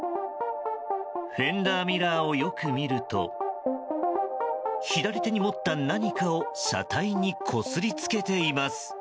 フェンダーミラーをよく見ると左手に持った何かを車体にこすりつけています。